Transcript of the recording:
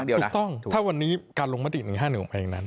ถูกต้องถ้าวันนี้การลงมติ๑๕๑ของเพลงนั้น